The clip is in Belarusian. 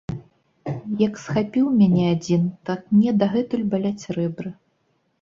Як схапіў мяне адзін, так мне дагэтуль баляць рэбры.